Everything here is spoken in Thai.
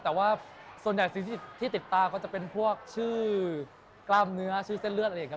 แต่ว่าส่วนใหญ่สิ่งที่ติดตาก็จะเป็นพวกชื่อกล้ามเนื้อชื่อเส้นเลือดอะไรอย่างนี้ครับ